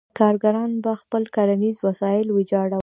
کارګران به خپل کرنیز وسایل ویجاړول.